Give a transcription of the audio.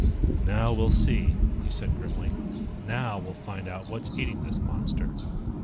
"Now we'll see," he said grimly. "Now we'll find out what's eating this monster."